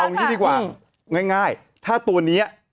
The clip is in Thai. เอางี้ดีกว่าง่ายถ้าตัวนี้